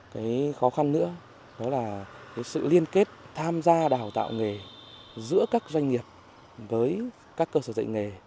cái khó khăn nữa đó là sự liên kết tham gia đào tạo nghề giữa các doanh nghiệp với các cơ sở dạy nghề